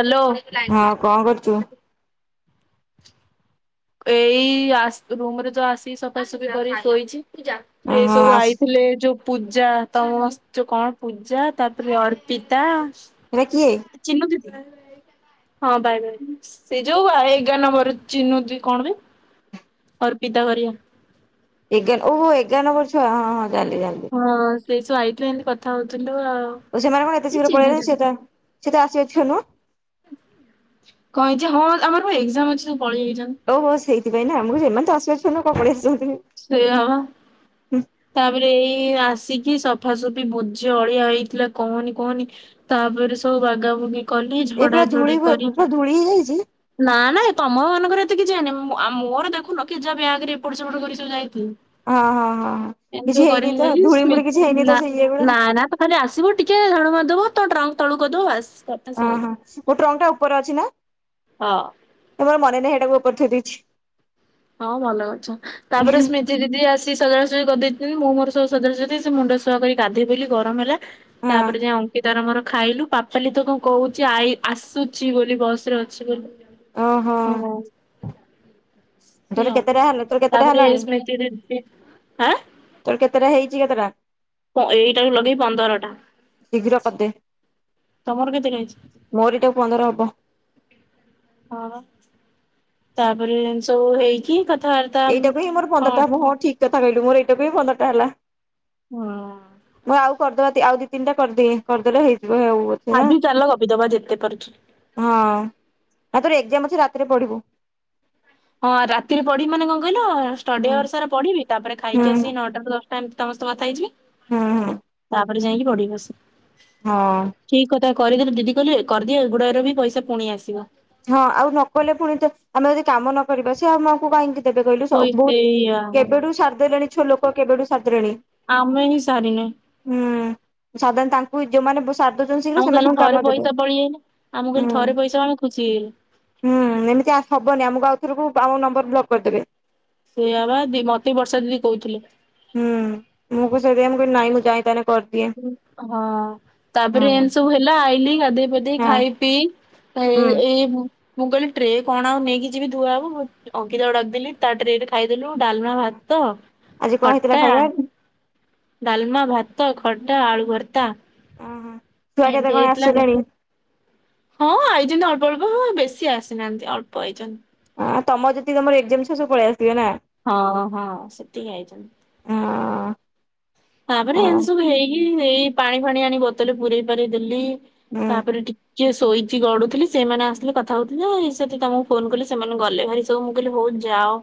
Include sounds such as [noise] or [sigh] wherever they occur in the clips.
Hello କ କରୁଚୁ? ଏଇ ଆସ ରୁମ ରେ ତ ଆସିିକି ସଫାସୁଫି କରିକି ଶୋଇଚି। ହଁ ଏଇସବୁ ଆସ ଆଇଥିଲେ ଯୋଉ। ପୂଜା ତମ ସେଇ ପୂଜା ତାପରେ ଅର୍ପିତା। ଏଟା କିଏ? ଚିନୁ ଦିଦି ନା। ହଁ ବାଏ ବାଇ ସେଇ ଯୋଉ ବା ଏଗାର ନମ୍ବର ଚିନୁ ଦି କ'ଣ ବେ ଅର୍ପିତା ଘରିଆ। ଏଗାର ଓହୋ ଏଗାର ନମ୍ୱର୍ ଛୁଆ ହଁ ହଁ ଜାନଲି ଜାନଲି। ହଁ ସେଇ ସବ ଆଇଥିଲେ। ଏମତି କଥା ହୋଉଥିଲୁ ଆଉ। ଓ ସେମାନେ କ'ଣ ଏତେ ଏ ଶୀଘ୍ର ଚିନୁ ଦି ପଳେଇଲେଣି। ସିଏ ତ ସିଏ ତ ଆସିବା ଛୁଆ ନୁହଁ। ଙ୍କ ହେଇଛି ହଁ ଆମର ପା ଏଗଜାମ ଅଛି ସବୁ ପଳେଇ ଆସିଛନ୍ତି ଓହୋ ସେଇଥିପାଇଁ ନା ମୁଁ କୋଉଚି ଏମାନେ ତ ଆସିବା ଛୁଆ ନୁଅ ଙ୍କ ପାଳିଆଇଚନ୍ତି। ସେୟପା। ତାପରେ ଏଇ ଆସିକି ସଫାସଫି ଭୋଜି ଅଳିଆ ହେଇଥିଲା। କହନି କହନି।। ତାପରେ ସବୁ ବାଗବୁଗି କଲି ଝଡା ଝଡି କରିକି। ହେଇଯାଉଚି। ନା ନାଇଁ ତମ ମାନଙ୍କର ଏତେ କିଛି ଯାଇନି ମୋର ଦେଖୁନ କେ ଯାହାହାଗରେ ଏପଟ ସେପଟ କରି ସବୁ ହଁ ହଁ ହଁ ହଁ ଯାଇଥିଲି। କିଛି ଏ ହେଇନି କରି ତ ଧୂଳି ସ୍ମ ମୂଳି କିଛି ହେଇନି ତ ନା ସେଇ ଇଏ ଗୁଡା ନା। ଖଲେ ଆସିବ ଟିକେ ଝାଡୁ କରି ଦବ ତ ଟ୍ରଙ୍କ ତଳୁ କରି ଦବ ହଁ ବାସ। ହଁ। ମୋ ତ୍ରଙ୍କ ଟା ଉପରେ ଅଛି ନା ହଁ ତ ମୋର ମନେହିଁଇଟାକୁ ଉପରେଥ ଦେଇଛି। ହଁ ଭଲ ଅଛ ତାପରେ ସ୍ମ। ଦିଦି ଆସି ସଜାସଜଜି କରିଦେଇଛନ୍ତି। ମୁଁ ମୋର ସୁ ସଜାଜ ସେ ମୁଣ୍ଡ ସଫା କରି ଗାଧେ ବୋଲି ଗରମ ହେଲା। ହଁ ତାପରେ ଯାଇଏ ଅଙ୍କିତାର ମର ଖାଇଲୁ ପାପ।। ପାପାଲି ତ କ'ଣ କହୁଛି? ଆ ଆସୁଛି ବୋଲି ବସ୍ ରେ ଅଛି ଓହୋ ବୋଲି। ସିଏ ତୋର କେତେଟା ଆସୁଛି ହେଲେ ତୋର କେତେଟା ତାପରେ ହେଲାଣି ସ୍ମୃତି ଦିଦି ଆଁ ତୋର କେତେଟା ହେଇଛି କେତେଟା। ଏଇଟାକୁ ଲଗେଇ ପନ୍ଦରଟା। ଶୀଘ୍ର କରିଦେ ତମର କେତେ ରହିଛି? ମୋରିଟା ପନ୍ଦର ହବ। ହଁ ତାପରେ ସବୁ ହେଇକି କଥାବାର୍ତ୍ତା।। ଏଇଟାକୁ ହିଁ ମୋର ପନ୍ଦରଟା ହ ହଁ ଠିକ କଥା କହିଲୁ ମୋର ଏଇଟାକୁ ହି ପନ୍ଦରଟା ହେଲା। ହଁ ମୁଁ ଆଉ କରିଦେବା ଆଉ ଦିଇ ତିନଟା କରିଦେଇ କରିଦେଲେ ହେଇଯିବଉ। ଆଜି ଚାଲ ଗପି ଦବା ଯେତେ ପାରୁଛି। ହଁ ଆ ତା ପରେଏଗଜାମ ଅଛି ରାତିରେ ପଢିବୁ। ହଁ ରାତିରେ ପଢିବି ମାନେ କଣ କହିଲ ଷ୍ଟଡି ହୁଁ ଆୱର୍ ସାର ପଢିବି ତାପରେ ହୁଁ ଖାଇକି ଆସିକି ନଅଟା। ତମତି ତମ ସହ କଥା ହେଇଯିବି। ହଁ ହଁ ତାରେ ଯାଇକି ପଡିିବ ବସକି। ହଁ ଠିକ କଥା କରିଦେଲେ ଦିଦି କହିଲେ କରିଦିଅୁଡ ର ବି ପଇସ ପୁଣି ଆସିବ। ହଁ ଆଉ ନକହଲେ ପୁଣି ତ ଆମେ ଯଦି କାମ ନ କରିବା ସେ ଆଉ ମା କଙ୍କୁ କାହିଁକି। କେବେ କହିଲୁ ପଇ ସେଇଆ ବହୁତ କେବେଠୁ ସାରିଦେଲେଣି ଛୁ ଲୋକ କେବେଠୁ ସାରିଦେଲେଣି। ଆମେ ହିଁ ସାରି ନେ। ହୁଁ ସାଧାରଣ ତାଙ୍କୁ ଯୋଉମାନେ ଦଉଛନ୍ତି ଶୀଘ୍ର ଆମକୁ କହିଲି ସେମାନଙ୍କୁ କାମ ଥରେ ଦେବେ ପଇସା ପେଳେଇ ଅଇଲେ ଆମକୁ ହୁଁ କହିଲି ଥରେ ପଇସା ଆମେ ଖୁସି ହେଇଲେ। ହୁଁ ଏମିତି ଆ ହବନି ଆମକୁ ଆଉଥରକୁ ଆମ ନମ୍ବର ବ୍ଲକ କରିଦେବେ। ସେଇଆବା ମତେ ବର୍ଷା ଦିଦି କହୁଥିଲେ। ହୁଁ ମୁଁ ସେପାଇଁ ମୁଁ ନାଇଁ ମୁଁ ଯାଇଁଥା ହଁ ହଁ ତାପରେ ଏନିତି ସବୁ ହେଲା ଆଇଲି ଗାଧେଇ ପଧେଇ ହଁ ଖାଇ ପିଇ ହୁଁ ଏଇ ମୁଁ କହିଲି ଟ୍ରେ କଣ ଆଉ ନେଇକି ଯିବି ଧୂଆ ହବ ମୁଁ ଅଙ୍କିତାକୁ ଡାକିଦେଲି ତା ଟ୍ରେରେ ଖାଇଦେଲୁ ଡାଲମା ଭାତ ଆଜି କଣ ହେଇଥିଲା ଖଟା। ଖାଇବା ଡାଲମା ଭାତ ଖଡ଼ା ଆଳୁ ଭର୍ତ୍ତା। ଓହୋ ଛୁଆ କେତେ ଏମିତି କଣ ହେଇଥିଲା ଆସିଲେଣି। ହଁ ଆଇଛନ୍ତି ଅଳ୍ପ ଅଳ୍ପ ହଁ ବେଶୀ ଆସିନାହାନ୍ତି ଅଳ୍ପ ଆଇଛନ୍ତି। ଆଁ ତମର ଯଦି ତମର ଏଗଜ୍ମା ମ ସବୁ ପଳେଇ ଆସିବେ ନା। ହଁ ହଁ ସେତିକି ଆଇଛନ୍ତି। ହଁ। ତାପରେ ହଁ। ଏମତି ସବୁ ହେଇକି ଏଇ ପାଣି ଫାଣି ଆଣି ବୋତଲ ପୁରରେଇ ପାରେଇ ଦେଲି ହୁଁ ତାପରେ। କିଏ ଶୋଇଛି ଗଡୁଥିଲେ ସେମାନେ ଆସିଲେ କଥା ହଉଥିଲେ। ସେଠି ତମକୁ ଫୋନ କଲି ସେମାନେ ଗଲେ ଭାରି ସବୁ ମୁ କିହିଲି ହଉ ଯାଅ।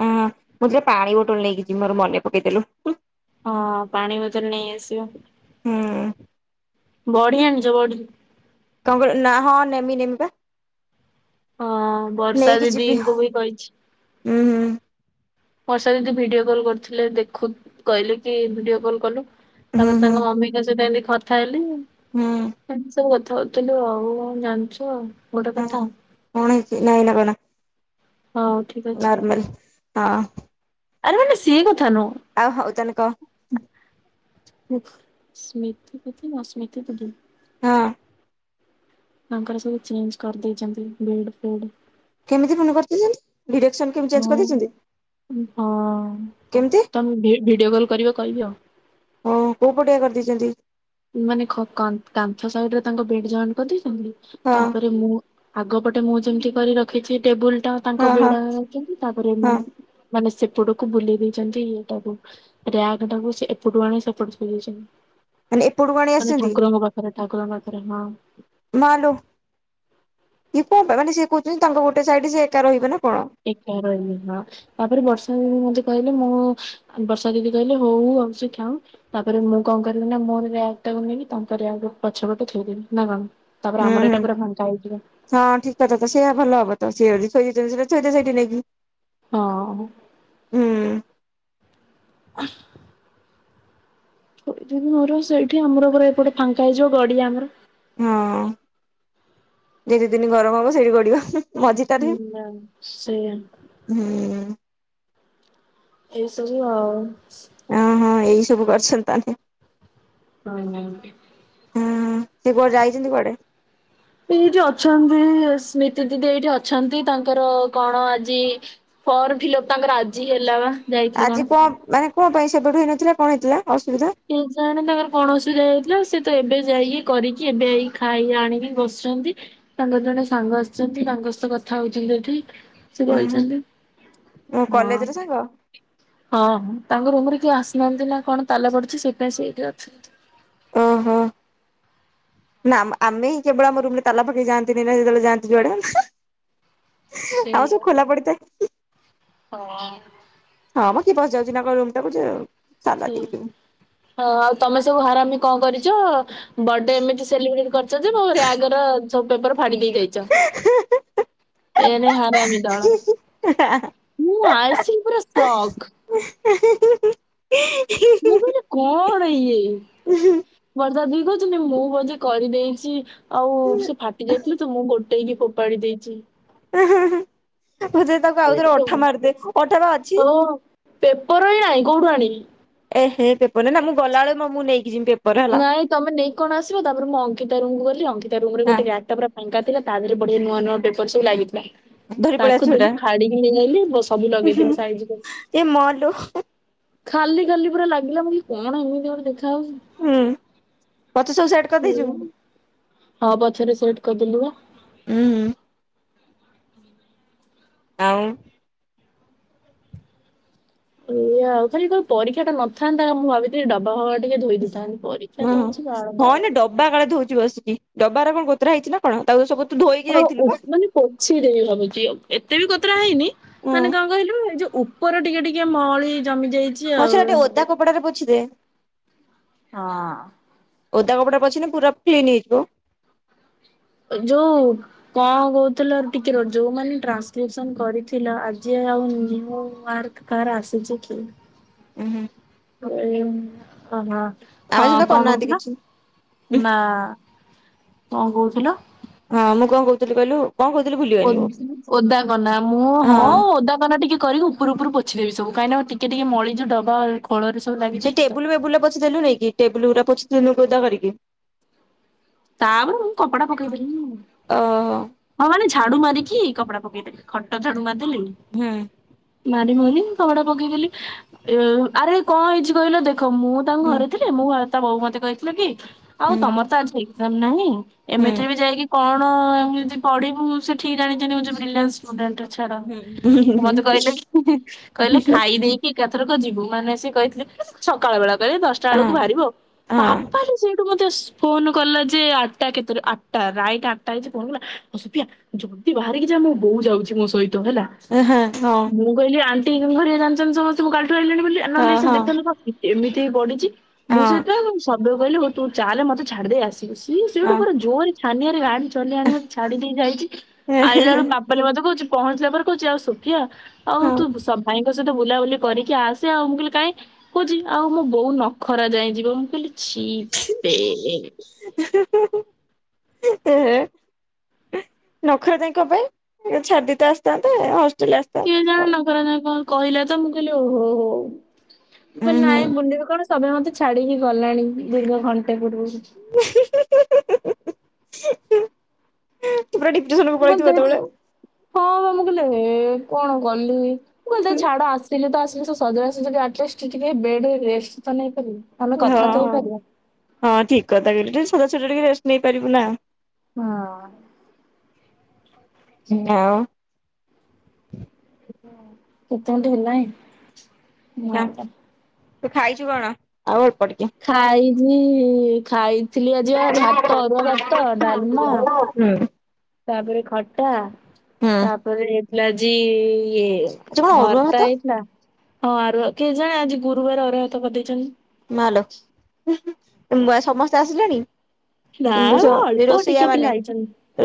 ହଁ ମୁଁ ମୋ ଝିଅ ପାଣି ବୋଟଲ ନେଇକି ଯିବି ମୋର ମନେ ପକେଇଦେଲୁ। ହଁ ପାଣି ବୋତଲ ନେଇ ଆସିବ। ହୁଁ। ବଢି ଆଣିଛ ବଢି। କଣ କହିଲ ନା ହଁ ନେମି ନେମି ବା। ହଁ ବର୍ଷା ନେଇକି ଯିବି ଦିଦିଙ୍କୁ ବି କହିଛି। ହୁଁ ହୁଁ ବର୍ଷା ଦିଦି ଭିଡିଓ କଲ୍ କରିଥିଲେ ଦେଖୁ କହିଲେ କି ଭିଡିଓ କଲ୍ କଲୁ। ହୁଁ ତାପରେ ହୁଁ ତାଙ୍କ ମମିଙ୍କ ସହିତ ଏମିତି କଥା ହେଲି। ହୁଁ। ଏମତି ସବୁ କଥା ହଉଥିଲୁ ଆଉ ଜାଣିଛ ଗୋଟେ କଥା। ହୁଁ। କଣ ହେଇଛି ନାଁ ଏଇନା କହନା। ହଉ। ଠିକ ଅଛି ନର୍ମାଲ ହଁ। ଆରେ ମାନେ ସିଏ କଥା ନୁହଁ। ଆଉ ହଉ ତାହାନେ କହ। [unintelligible] ହଁ। ତାଙ୍କର ସବୁ ଚେଞ୍ଜ କରିଦେଇଛନ୍ତି ବେର୍ଡ ଫେର୍ଡ। କେମିତି ଫୁଣି କରିଦେଇଛନ୍ତି ଡିରେକ୍ସନ କେମିତି ହଁ ଚେଞ୍ଜ କରିଦେଇଛନ୍ତି। ହଁ କେମିତି ତମେ ଭିଡିଓ କଲ୍ କରିବ କହିବି ଆଉ। ଓ କୋଉ ପଟିଆ କରିଦେଇଛନ୍ତି। ମାନେ କାନ୍ଥ ସାଇଡରେ ତାଙ୍କ ବେଡ ଜଏଣ୍ଟ କରିଦେଇଛନ୍ତି ହଁ। ତାପରେ ମୁଁ। ଆଗପଟେ ମୁଁ ଯେମିତି କରି ରଖିଛି ଟେବୁଲ ଟା ହଁ ତାଙ୍କ ହଁ ବେଡ ଅଛନ୍ତି ତାପରେ ହଁ ମାନେ ସେପଟକୁ ବୁଲି ଦେଇଛନ୍ତି ଏଇଟାକୁୁ। ରିୟାକ ଟାକୁ ସେ ଏପଟୁ ଆଣି ସେପଟେ ଥୋଇଦେଇଛନ୍ତି। ମାନେ ଏପଟକୁ ଆଣି ମାନେ ଆସିଛନ୍ତି ଠାକୁରଙ୍କ ପାଖରେ ଠାକୁରଙ୍କ ପାଖରେ ହଁ। ମାଲୋ କିଏ କଣ ପାଇଁ ମାନେ ସେଏ କହୁଛନ୍ତି ତାଙ୍କ ଗୋଟେ ସାଇଡରେ ସେ ଏକା ରହିବେ ନା କଣ। ଏକା ରହିବି ହଁ। ତାପରେ ବର୍ଷା ଦିଦି ମତେ କହିଲେ ମୁଁ ବର୍ଷା ଦିଦି କହିଲେ ହଉ ଆଉ ସେ ଖାଉ। ତାପରେ ମୁଁ କଣ କଲିନା ମୋ ରିୟାକ ଟାକୁ ନେଇକି ତାଙ୍କର ରିୟାକ ପଛ ପଟେ ଥୋଇଦେବି ନା କଣ। ତାପରେ ହୁଁ ଆମର ହୁଁ ଏଇଟା ପୁରା ଫାଙ୍କା ହେଇଯିବ। ହଁ ଠିକ କଥା ତ ସେଇଆ ଭଲ ହବ ତ ସିଏ ଯଦି ଥୋଇଛନ୍ତି ଥୋଇଦେ ସେଇଠି ନେଇକି। ହଁ। ହୁଁ। [inaudible] ଥୋଇଦେବି ମୋର ସେଇଠି ଆମରପୁରା ଏପଟେ ଫାଙ୍କା ହେଇଯିବ ଗଡିଆ ଆମର ହଁ ଯେତେ ଦିନ ଗରମ ହବ ସେଇଠି ଗଢିବ। ହୁଁ ମାମ ସେଇଆ ହୁଁ। ଏସବୁ ଆଉ ଓହୋ ଏଇ ସବୁ କରିଛନ୍ତି ତାନେ ହଁଁ ହଁ। ହୁଁ ସିଏ କୁଆଡେ ଯାଇଛନ୍ତି କୁଆଡେ? [inaudible] ସେ ଯୁ ଅଛନ୍ତି ସ୍ମୃତି ଦିଦି ଏଇଠି ଅଛନ୍ତି ତାଙ୍କର କଣ ଆଜି ଫର୍ମ୍ ଫିଲପ ତାଙ୍କର ଆଜି ହେଲା ବା। ଆଜି କଣ ମାନେ କଣ ପାଇଁ ସେବେଠୁ ହେଇନଥିଲା କଣ ହେଇଥିଲା ଅସୁବିଧା? କେଜାଣି ତାଙ୍କର କଣ ଅସୁବିଧା ହେଇଥିଲା ସେ ତ ଏବେ ଯାଇକି କରିକି ଏବେ ଏଇ ଖାଇ ଆଣିକି ବସିଛନ୍ତି। ତାଙ୍କର ଜଣେ ସାଙ୍ଗ ଆସିଛନ୍ତି ତାଙ୍କ ସହ କଥା ହଉଛନ୍ତି ଏଠି। ସେ କହିଛନ୍ତି ଓ ହଁ। କଲେଜ ର ସାଙ୍ଗ ହଁ ତାଙ୍କ ରୁମ ରେ କିଏ ଆସିନାହାନ୍ତି ନା କଣ ତାଲା ପଡୁଛି ସେଥିପାଇଁ ସେ ଏଠି ଅଛନ୍ତି। ଅଁ ହଁ। ନା ଆମ ଆମେ ହିଁ କେବଳ ଆମ ରୁମ ରେ ତାଲା ପାଖେଇ ଯାଆନ୍ତିନି ନା ଯେତେବେଳେ ଯାନ୍ତି ଯୁଆଡେ। ଆଉ ସବୁ ସେଇଆ ଖୋଲା ପଡିଥାଏ। ହଁ। ହଁ ମ କି ପସି ଯାଉଛି ନା କ ରୁମ୍ ଟାକୁ ଯେ ତାଲା ହୁଁ। ଦେଇକି ଯିବି। ହଁ ଆଉ ତମେ ସବୁ ହାରାମି କଣ କରିଛ ବଡେ ଏମିତି ସେଲିବ୍ରେଟ କରି କରିଛ ଯେ ମୋ ବ୍ୟାଗ ର ସବୁ ପେପର ଫାଡିି ଦେଇ ଯାଇଛ ଏଡେ ହାରା ମୁଁ ଆସିକ୍ ପୁର ଶକ୍ ଖୁଁ ଖୁଁ ଖୁଁ। ମୁଁ କହିଲି କଣ ଇଏ? ଉ ହୁଁ। [unintelligible] କହୁଛନ୍ତି ମୁଁ ବଧେ କରିଦେଇଛି। ଆଉ ସେ ଫାଟି ଯାଇଥିଲେ ତ ମୁଁ ଗୋଟେଇକି ଫୋପାଡି ଦେଇଛି। ହଁ ହୁଁ ହୁଁ ତାକୁ ଆଉଥରେ ଅଠା ମାରିଦେ ଅଠା ବା ଅଛି। ଓ ପେପର ହିଁ ନାହିଁ କୋଉଠୁ ଆଣିବି। ଏ ହେ ପେପର ନାଇଁ ମୁଁ ଗଲାବେଳେ ମୁଁ ନେଇକି ପେ ନାଁଇଁ। ତମେ ନେଇ କଣ ଆସିବ ତାପରେ ମୁଁ ଅଙ୍କିତା ରୁମ କୁ ଗଲି ଅଙ୍କିତା ରୁମ୍ ରେ ଗୋଟ ଗାଡି ଟା ପୂରା ଫାଙ୍କା ଥିଲା ତା ଦେହରେ ବଢିଆ ନୂଆଁ ନୂଆଁ ସବୁ ଲାଗିଥିଲା ଧରି ପଳେଇ ତାକୁ ଆସିବୁ ଏଟା ଦେଲି ଫାଡିକି ନେଇଆଇଲି ସବୁ ଲଗେଇଦେଲି ସାଇଜିକରିକି। ଏ ମାଲୋ ଖାଲି ଖାଲି ପୁରା ଲାଗିଲା ମୁଁ କହିଲି କଣ ଏମିତି ଗୋଟେ ଦେଖା ଯାଉଛି। ହୁଁ ମତେ ସବୁ ସେଟ୍ କରିଦେଇଛୁ? ସେଇଆ ହଁ ପଛରେ ସେଟ କରିଦେଲୁ ବା। ଉ ହୁଁ। ଆଉ ହେଇଆ ଆଉ ଖାଲି ପରୀକ୍ଷା ଟା ନଥାନ୍ତା ମୁଁ ଭାବିଥିଲି ଡବା ଫବା ଟିକେ ଧୋଇ ଦେଇଥାନ୍ତି ପରୀକ୍ଷା ତ ଅଛି ବାଳ ବା କାଳେ ଧଉଛି ବସିକି ଡବାରେ କଣ କୋତରା ହେଇଛି ନା। କଣ ତାକୁ ସବୁ ତୁ ଧୋଇ [unintelligible] ମାନେ ପୋଛିଦେବି ଭାବୁଛି ଏତେ ବି କତୋରା ହେଇନି ହଁ ମାନେ କଣ କହିଲୁ ଏଇ ଯୋଉ ଉପରେ ଟିକେ ଟିକେ ମଳି ଜମି ଯାଇ ପଛଟା ଟିକେ ଓଦା କପଡାରେ ପଛିଦେ। ହଁ। ଓଦା କପଡ଼ା ରେ ପୋଛିଲେ ପୁରା କ୍ଲିନ୍ ହେଇଯିବ। ଯୋଉ କଣ କହୁଥିଲ ଟିକେ ରୁହ ଯୋଉମାନେ ଟ୍ରାନ୍ସକ୍ରିପ୍ସନ କରିଥିଲ ଆଜି ଆଉ କାହାର ଆସିଛି କି? ଉୁଁ ହୁ। ଉ ଓହୋ ହଁ ଆମେ କଣ ସେମିତି କରୁନାହାନ୍ତି କହୁଥିଲ? କିଛି। ନା କଣ କହୁଥିଲ? ହଁ ମୁଁ କଣ କହୁଥିଲି କହିଲୁ କଣ କହୁଥିଲି ଭୁଲି ଓ ଓଦାକନା ମୁଁ ହଁ ଓଦାକନା ଟିକେ କରିକି ଘର ଫର ପୋଛି ଦେବି ସବୁ କାଇଁନା ଟିକେ ଟିକେ ମଳି ଯୋଉ ଡବା ଖୋଳରେ ସବୁ ସେ ଲାଗିଯାଇଛି ତ ଟେବୁଲୁ ବେବୁଲ ରେ ପୋଛି ଦେଲୁ ନାଇକି ଟେବୁଲ ଗୁଡା ପୋଛି ଦେଲୁ ଓଦା କରିକି। ତାପରେ ମୁଁ କପଡା ପକେଇଦେବି ଓହୋ ହଁ ମାନେ ଝାଡୁ ମାରିକି କପଡା ପକେଇଦେବି। ଖଟ ଝାଡୁ ମାରି ଦେଲି। ହୁଁ। ମାରିବି ବୋଲି କପଡା ପକେଇଦେଲି ଆରେ କଣ ହେଇଛି କହିଲ ଦେଖ ମୁଁ ତାଙ୍କ ହୁଁ ଘରେ ଥିଲେ ମୁଁ ତା ବୋଉ ମତେ କହିଥିଲେ କି ଆଉ ହୁଁ ତମର ତ ଆଜି ଏକଜାମ୍ ନାହିଁ ହୁଁ। ଏମିତିରେ ବି ଯାଇକି କଣ [unintelligible] ପଢିବୁ ସେ ଠିକ ଜାଣିଛନ୍ତିି ମୋ ଝିଅ ରିଲିଆନ୍ସ କୋଦାଳ ଟା ଛାଡ ହୁଁ ହୁଁ ମତେ କହିଲେ କି କହିଲେ ହୁଁ ଖାଇ ଦେଇ କି ଏକାଥରକ ଯିବୁ ମାନେ ସେ କହିଥିଲେ ସକାଳ ବେଳେ କହିବେ ଦଶଟା ବେଳକୁ ବାହାରିବୁ ଆଉ ହଁ ବାପାଲୋ ସେଠୁ ବୋଧେ ଫୋନ କଲା ଯେ ଆଠଟା କେତେ ଆଠଟା ରାଇଟ ଆଠଟା ହେଇଛି ଫୋନ୍ କଲା ସୋଫିଆ ଯଲ୍ଦି ବାହାରିକି ଯା ମୋ ବୋଉ ଯାଉଛି ମୋ ସହିତ ହେଲା। ହଁ। ମୁଁ କହିଲି ଆଣ୍ଟି ଘରିକା ଜାଣିଛନ୍ତି ସମସ୍ତେ ମୁଁ କାଲି ଠୁ ଆଇଣିନି ବୋଲି ନହେଲେ ହଁ ସେ ହଁ ଦେଖ [unintelligible] ଏମିତି ପଡିଛି। ମୁଁ ହଁ ସେଇଟା ଶବ୍ୟ କୁ କହିଲି ହଉ ତୁ ଚାଲେ ମତେ ଛାଡି ଦେଇେ ଆସିବୁ ସିଏ ସେଇଠୁ ହଁ ପୁରା ଜୋରେ ଛାନିଆରେ ଗାଡି ଚଲେଇ ଆଣି ମତେ ଛାଡି ଦେଇ ଯାଇଛି ଆଇଲାବେଳୁ ପା ରୂପାଲି ମତେ କହୁଛି ପହଞ୍ଚିଲା ପରେ କହୁଛି ଆଉ ସୋଫିଆ ଆଉ ତୁ ହଁ। ସ ଭାଇଙ୍କ ସହିତ ବୁଲାବୁଲି କରିକି ଆସେ ଆଉ ମୁଁ କହିଲି କାଇଁ କହୁଛି ଆଉ ମୋ ବୋଉ ନଖରା ଯାଏଁ ଯିବ ମୁଁ କହିଲି ଛି ପେ ଏ ନଖରା ଯାଏ କଣ ପାଇଁ ଛାଡିଦେଇ ତ ଆସିଥାନ୍ତେ ହଷ୍ଟେଲ ଆସିଥା ଜା ନଖରା ଯାଏ କଣ କହିଲେ ତ ମୁଁ କହିଲି ଓହୋ ହୋ ମୁଁ ଉଁ କହିଲି ହୁଁ ନାଇଁ ବୁଲିବି କଣ ସବେ ମତେ ଛାଡିକି ଗଲାଣି ଦୀର୍ଘ ଘଣ୍ଟେ ପୂର୍ବରୁ। ପ୍ରେଡିକ୍ଟେସନ କୁ ପଳେଇଥିବୁ ସେତେବେଳେ ମୁଁ କହିଲି ଧେତ୍ ଆଉ। ହଁ ବା ମୁଁ କହିଲି ହେ କଣ କଲି ମୁଁ କହିଲି ଦେ ଛାଡ ଆସିଲି ତ ଆସିଲି ସଜଡା ସଜଡ଼ି ଆଲିଷ୍ଟ ଟିକେ ବେଡ ରେଷ୍ଟ ତ ନେଇପାରିବ ଆମେ ହଁ କଥା ତ ହେଇପାରିବା ହଁ ଠିକ୍ କଥା କହିଲୁ ଟିକେ ସଜଡା ସଜଡ଼ି ଟିକେ ରେଷ୍ଟ ନେଇ ପାରିବୁ ନା। ହଁ। ନା କେତେ ମିନିଟ୍ ହେଲାଇଁ ନା [unintelligible] ତୁ ଖାଇଛୁ କଣ ଆଉ ଅଳ୍ପ ଟିକେ। ଖାଇଛି ଖାଇଥିଲି ଆଜିିବା ଭାତ ଅରୁଆ ଭାତ ଡାଲମା ହୁଁ। ତାପରେ ଖଟା ଆଜି ତାପରେ ହେଇଥିଲା ଆଜି ଇଏ କଣ ଅରୁଆ ଭାତ ଭର୍ତ୍ତା ହେଇଥିଲା ହଁ ଆରୁଅ କେଜାଣି ଆଜି ଗୁରୁବାର ଅରୁଆ ଭାତ କରିଦେଇଚନ୍ତି। ମାଲୋ [unintelligible] ସମସ୍ତେ ଆସିଲେଣି? ବୁଝ ନାଇଁମ ଅଳ୍ପ ରୋଷେଇଆ ଟିକେ ମାନେ ପିଲା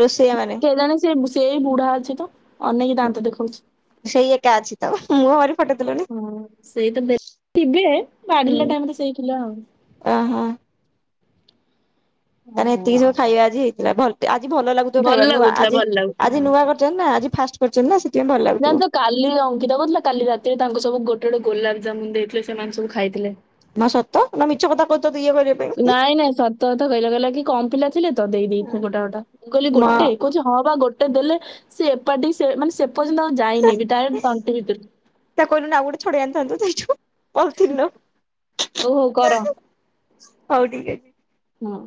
ରୋଷେଇଆ ମାନେ କେଜାଣି ସେ ସେଇ ବୁଢା ଅଛି ତ। ଅନେଇକି ଦାନ୍ତ ଦେଖୋଉଚି। ସେଇ ଏକା ଅଛି ତ, ମୁହଁ ମାରି ଫଟେଇ ଦେଲୁନି। ହଁ ସେଇ ତ ବେ ଥିବେ ବାଢିଲା ଟାଇମ୍ ରେ ସେଇ ଥିଲା ଆଉ। ଓହୋ। ତାହେନେ ଓହୋ ଏତିକି ସବୁ ଖାଇବା ଆଜି ହେଇଥିଲା ଭଲ୍ ଆଜି ଭଲ ଲାଗୁଥିବ ଖାଇବା ନୂଆ ଲାଗୁଥିଲା ଭଲ ଲାଗୁଥିଲା। ଆଜି-ଆଜି ନୂଆ କରିଚନ୍ତି ନା ଆଜି ଫାଷ୍ଟ କରିଚନ୍ତି ନା ସେଥିପାଇଁ ଭଲ ଜାଣିଛ ଲାଗୁଥିବ। କାଲି ଅଙ୍କିତା କହୁଥିଲା କାଲି ରାତିରେ ତାଙ୍କୁ ସବୁ ଗୋଟେ-ଗୋଟେ ଗୋଲାପଜାମୁନ୍ ଦେଇଥିଲେ ସେମାନେ ସବୁ ଖାଇଥିଲେ। ମା ସତ ନା ମିଛ କଥା କହି ତତେ ଇଏ କରିବେ ନାଇଁ-ନାଇଁ ସତକଥା କହିଲା, କହିଲା କି କମ୍ ପିଲା ଥିଲେ ତ ଦେଇ ଦେଇଚି ଗୋଟା-ଗୋଟା ମୁଁ କହିଲି ମା ଗୋଟେ କହୁଚି ହଁ ବା ଗୋଟେ ଦେଲେ ସିଏ ଏପାଟି ସେ ମାନେ ସେପର୍ଯ୍ୟନ୍ତ ଆଉ ଯାଇନି ବି ଡାଇରେକ୍ଟ ତଣ୍ଟି ଭିତରୁ ତାକୁ କହିଲୁନୁ ଆଉ ଗୋଟେ ଛଡେଇଆଣିଥାନ୍ତୁ [unintelligible] ଓହୋ କର ହଉ ଠିକ୍ ଅଛି। ହଁ।